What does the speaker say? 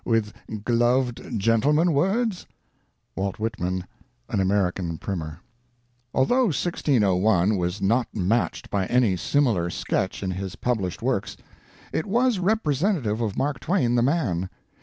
with gloved gentleman words" Walt Whitman, 'An American Primer'. Although 1601 was not matched by any similar sketch in his published works, it was representative of Mark Twain the man.